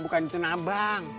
bukan di tanah abang